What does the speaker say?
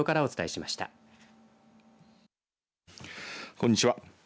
こんにちは。